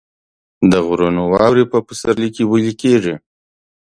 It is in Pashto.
د غرونو واورې په پسرلي کې ویلې کیږي